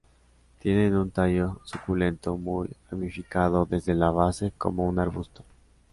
Tienen un tallo suculento muy ramificado desde la base como un arbusto.